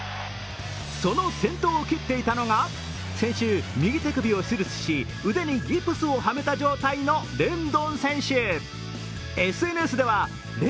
その先頭を切っていたのが先週右手首を手術し、腕にギブスをはめた状態のレンドン選手。